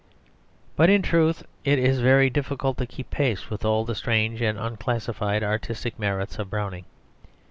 But in truth it is very difficult to keep pace with all the strange and unclassified artistic merits of Browning.